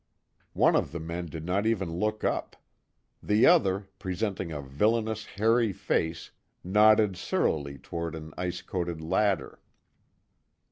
One of the men did not even look up. The other, presenting a villainous hairy face, nodded surlily toward an ice coated ladder.